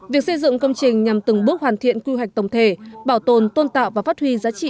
việc xây dựng công trình nhằm từng bước hoàn thiện quy hoạch tổng thể bảo tồn tôn tạo và phát huy giá trị